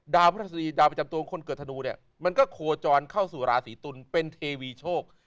พระราชดีดาวประจำตัวของคนเกิดธนูเนี่ยมันก็โคจรเข้าสู่ราศีตุลเป็นเทวีโชค